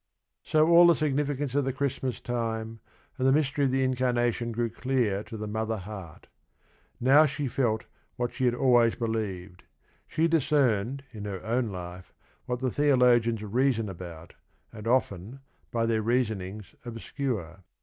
So all the significance of the Christmas time, and the mystery of the incarnation grew clear to the mother heart. Now she felt what she had always believed. She discerned in her own life what the theologians reason about, and often, by their reasonings obscure.